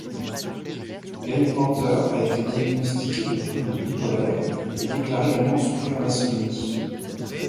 Gail Porter a été diagnostiquée de trouble bipolaire, et déclare également souffrir d'insomnie.